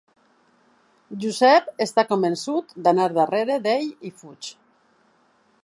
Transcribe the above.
Josep està convençut d'anar darrere d'ell i fuig.